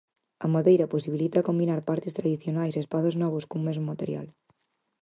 A madeira posibilita combinar partes tradicionais e espazos novos cun mesmo material.